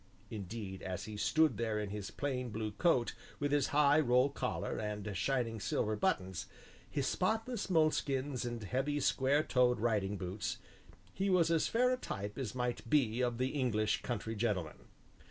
Indeed, as he stood there in his plain blue coat with its high roll collar and shining silver buttons, his spotless moleskins and heavy, square toed riding boots, he was as fair a type as might be of the English country gentleman.